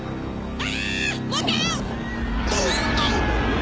あ！！